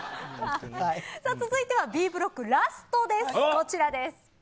続いてはＢブロックラストです、こちら。